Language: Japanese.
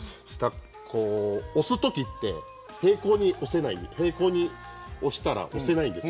押すときって平行に押したら押せないんです。